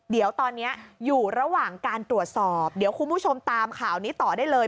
เดี๋ยวตอนนี้อยู่ระหว่างการตรวจสอบเดี๋ยวคุณผู้ชมตามข่าวนี้ต่อได้เลย